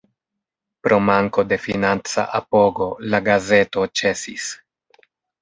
Pro manko de financa apogo la gazeto ĉesis.